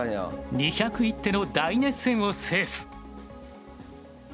２０１手の大熱戦を制す。